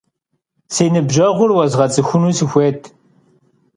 Si nıbjeğur vuezğets'ıxunu sıxuêyt.